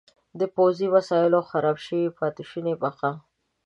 د پوځي وسایلو خراب شوي پاتې شوني بقایا.